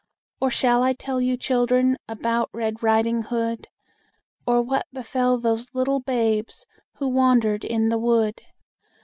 "Or shall I tell you, children, About Red Riding Hood? Or what befell those little Babes Who wandered in the Wood?